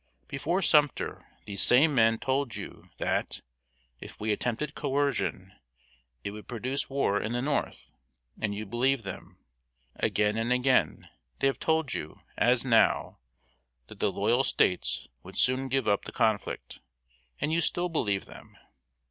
Before Sumter, these same men told you that, if we attempted coërcion, it would produce war in the North; and you believed them. Again and again they have told you, as now, that the loyal States would soon give up the conflict, and you still believe them.